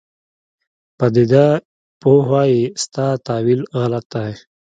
پدیده پوه وایي ستا تاویل غلط دی.